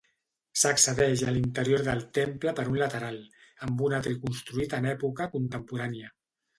S'accedeix a l'interior del temple per un lateral, amb un atri construït en època contemporània.